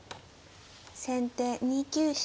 先手２九飛車。